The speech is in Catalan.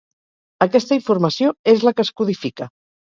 Aquesta informació és la que es codifica.